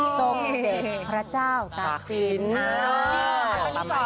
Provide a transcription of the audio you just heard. สมเด็จพระเจ้าตากศิลป์